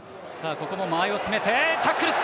ここも間合いを詰めてタックル。